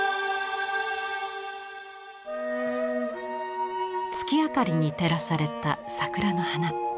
月明かりに照らされた桜の花。